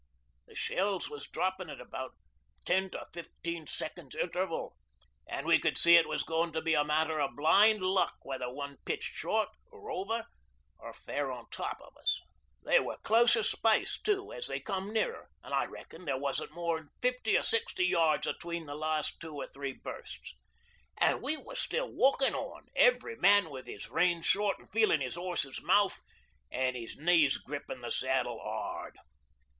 The shells was droppin' at about ten to fifteen seconds' interval, an' we could see it was goin' to be a matter o' blind luck whether one pitched short or over or fair a top o' us. They were closer spaced, too, as they come nearer, an' I reckon there wasn't more'n fifty or sixty yards atween the last two or three bursts. An' we was still walkin' on, every man wi' his reins short an' feelin' 'is 'orse's mouth, an' his knees grippin' the saddle hard.